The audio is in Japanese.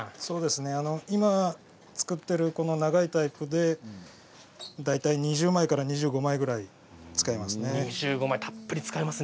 今、作っているこの長いタイプで大体２０枚から２５枚くらい皮を使っています。